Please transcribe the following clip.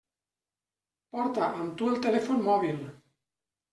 Porta amb tu el telèfon mòbil.